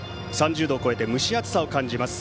３０度を超えて蒸し暑さを感じます